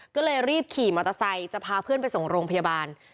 ก็เลยรีบขี่มอเตอร์ไซค์จะพาเพื่อนไปส่งโรงพยาบาล